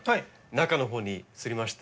中のほうに移りまして。